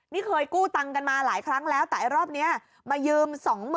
นี่เคยกู้ตังค์กันมาหลายครั้งแล้วแต่ไอ้รอบนี้มายืม๒๐๐๐